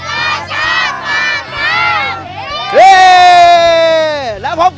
รสชาติรางปัง